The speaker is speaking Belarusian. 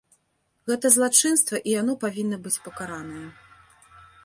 Гэта злачынства, і яно павінна быць пакаранае.